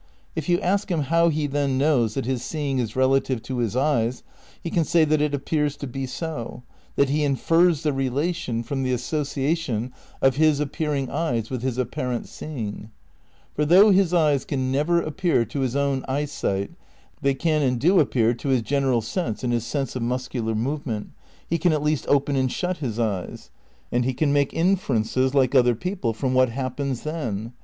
If you ask him how he then knows that his seeing is relative to his eyes he can say that it appears to be so ; that he infers the relation from the ^ See Perception, Physics and Reality, Chap. II, '' On Causation. '' Ill THE CRITICAL PREPARATIONS 59 association of his appearing eyes with his apparent see ing. For though his eyes can never appear to his own eyesight they can and do appear to his general sense and his sense of muscular movement. He can at least open and shut his eyes. And he can make inferences, like other people, from what happens then.